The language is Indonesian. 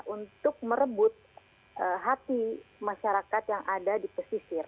untuk merebut hati masyarakat yang ada di pesisir